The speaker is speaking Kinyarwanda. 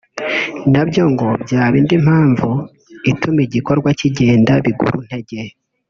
nabyo ngo byaba indi mpamvu ituma igikorwa kigenda biguruntege